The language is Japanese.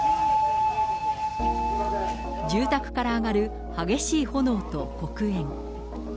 住宅から上がる激しい炎と黒煙。